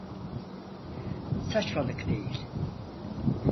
Saçmalık değil.